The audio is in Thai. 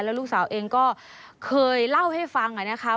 แล้วลูกสาวเองก็เคยเล่าให้ฟังนะคะ